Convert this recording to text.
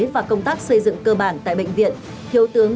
và công tác xây dựng cơ bản tại bệnh viện